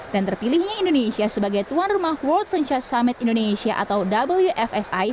dan terpilihnya indonesia sebagai tuan rumah world franchise summit indonesia atau wfsi